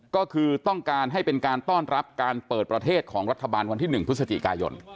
ก็คือต้องการให้เป็นการต้อนรับการเปิดประเทศของรัฐบาลวันที่๑พฤศจิกายน